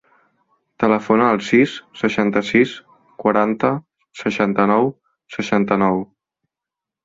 Telefona al sis, seixanta-sis, quaranta, seixanta-nou, seixanta-nou.